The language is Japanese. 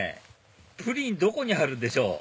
プリンどこにあるんでしょう？